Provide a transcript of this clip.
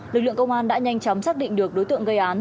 lực lượng công an đã nhanh chóng xác định được đối tượng gây án